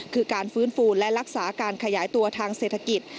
คือการฟื้นฟูและรักษาการขยายตัวทางเศรษฐกิจ